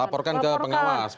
laporkan ke pengawas